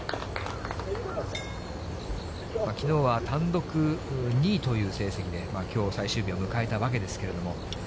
きのうは単独２位という成績で、きょう最終日を迎えたわけですけれども。